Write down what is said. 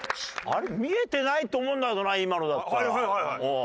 見えてないと思うんだけどな今のだったら。